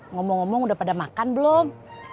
ngomong ngomong udah pada makan belum